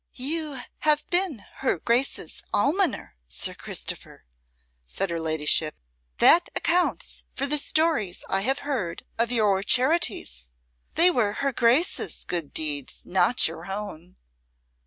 "You have been her Grace's almoner, Sir Christopher," said her ladyship. "That accounts for the stories I have heard of your charities. They were her Grace's good deeds, not your own."